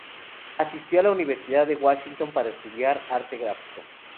Asistió a la Universidad de Washington para estudiar arte gráfico.